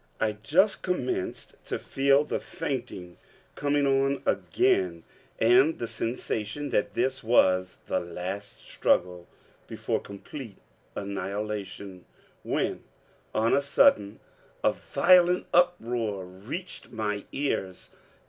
I just commenced to feel the fainting coming on again, and the sensation that this was the last struggle before complete annihilation when, on a sudden, a violent uproar reached my ears.